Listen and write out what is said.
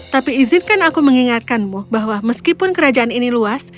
tapi izinkan aku mengingatkanmu bahwa meskipun kerajaan ini luas